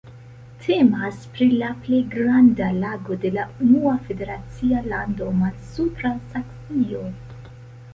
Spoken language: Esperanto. Temas pri la plej granda lago de la nuna federacia lando Malsupra Saksio.